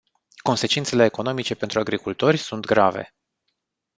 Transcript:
Consecințele economice pentru agricultori sunt grave.